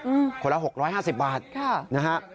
อืมคนละหกร้อยห้าสิบบาทค่ะนะฮะ